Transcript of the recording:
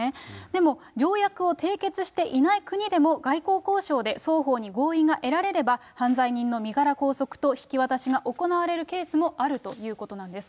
でも条約を締結していない国でも外交交渉で双方に合意が得られれば犯罪人の身柄拘束と引き渡しが行われるケースもあるということなんです。